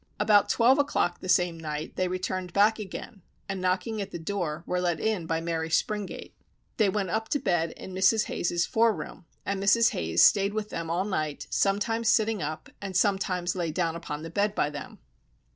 About twelve o'clock the same night, they returned back again, and knocking at the door were let in by Mary Springate. They went up to bed in Mrs. Hayes's fore room, and Mrs. Hayes stayed with them all night, sometimes sitting up, and sometimes lay down upon the bed by them.